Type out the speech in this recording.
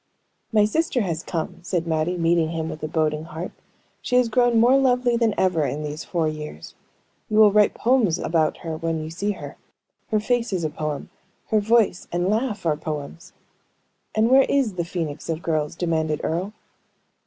"My sister has come!" said Mattie, meeting him with a boding heart. "She has grown more lovely than ever in these four years. You will write poems about her when you see her. Her face is a poem, her voice and laugh are poems!" "And where is the phoenix of girls?" demanded Earle.